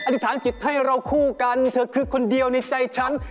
ธิษฐานจิตให้เราคู่กันเธอคือคนเดียวในใจฉัน